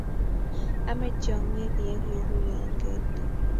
Amech tyong'ik ye kiruyie eng' kerti